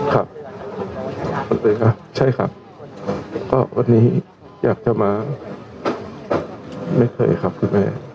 ครับคุณตือครับใช่ครับก็วันนี้อยากจะมาไม่เคยครับคุณแม่